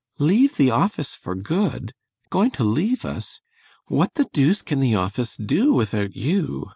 "Leave the office for good? Going to leave us? What the deuce can the office do without you?